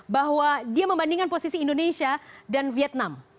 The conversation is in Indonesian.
bahwa dia membandingkan posisi indonesia dan vietnam